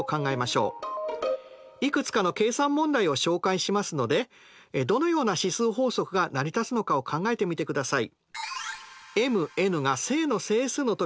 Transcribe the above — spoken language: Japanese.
いくつかの計算問題を紹介しますのでどのような指数法則が成り立つのかを考えてみてください。